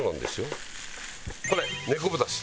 これねこぶだし。